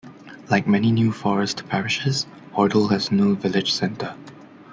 Like many New Forest parishes Hordle has no village centre.